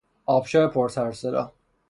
آبشار پر سر و صدا